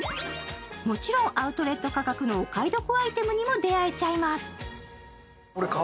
もちろんアウトドア価格のお買い得アイテムにも出会えちゃいます。